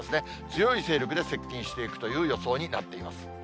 強い勢力で接近していくという予想になっています。